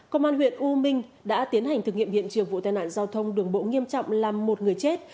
công an huyện u minh đã tiến hành thực nghiệm hiện trường vụ tai nạn giao thông đường bộ nghiêm trọng làm một người chết